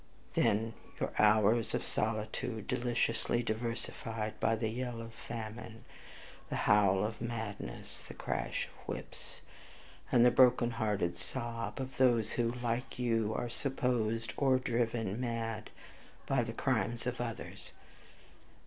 Then your hours of solitude, deliciously diversified by the yell of famine, the howl of madness, the crash of whips, and the broken hearted sob of those who, like you, are supposed, or DRIVEN mad by the crimes of others!